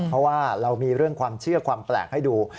เพราะว่าเรามีเรื่องความเชื่อความแปลกให้ดู